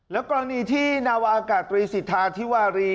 แล้วก็นี่ที่นวากตรีสิทธาธิวารี